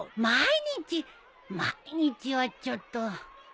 毎日はちょっと。